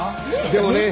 でもね